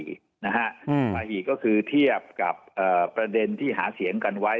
มาอีกก็คือเทียบกับประเด็นที่หาเสียงกันไว้